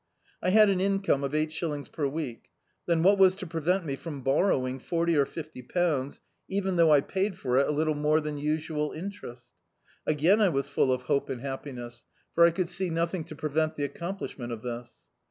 I had an incrane of eight shillings per week; then what was to prevent me from borrowing forty or fifty pounds, even though I paid for it a little more than usual interest^ Again I was full of hope and happiness, for I could see nothing to prevent the accomplishment of this.